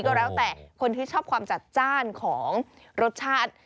ก็แล้วแต่คนที่ชอบความจัดจ้านของรสชาติ